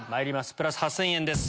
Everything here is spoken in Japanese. プラス８０００円です。